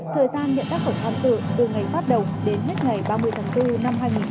thời gian nhận tác phẩm tham dự từ ngày phát động đến hết ngày ba mươi tháng bốn năm hai nghìn hai mươi